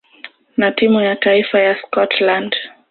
na timu ya taifa ya Scotland.